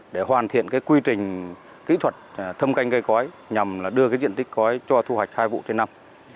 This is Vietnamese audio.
để hoàn thiện quy trình kỹ thuật thâm canh cây cõi nhằm đưa cái diện tích cõi cho thu hoạch hai vụ trên năm